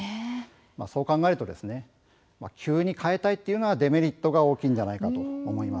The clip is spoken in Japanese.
そう考えると急に変えたいというのはデメリットが大きいのではないかと思います。